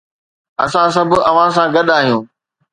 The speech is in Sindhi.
اسان سڀ اوهان سان گڏ آهيون